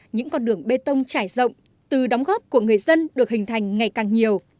những con đường bê tông trải rộng từ đóng góp của người dân được hình thành ngày càng nhiều